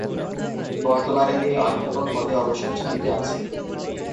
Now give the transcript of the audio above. বর্তমানে তিনি অধ্যাপক পদে অবসর ছুটিতে আছেন।